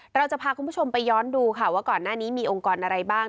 เราจะพาคุณผู้ชมไปย้อนดูค่ะว่าก่อนหน้านี้มีองค์กรอะไรบ้าง